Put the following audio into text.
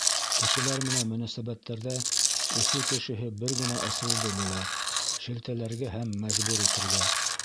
Кешеләр менән мөнәсәбәттәрҙә Өфө кешеһе бер генә ысулды белә — шелтәләргә һәм мәжбүр итергә!